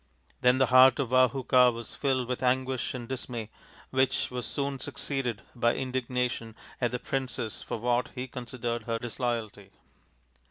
Then the heart of Vahuka was filled with anguish and dismay, which was soon succeeded by indignation at the princess for what he considered her disloyalty.